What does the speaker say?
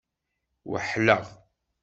Weḥleɣ.